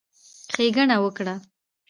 ښېګڼه وکړه،